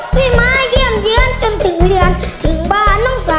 เฮ้ยพี่มาเยี่ยมเยื้อนจนถึงเรือนถึงบ้านหนุ่มกะ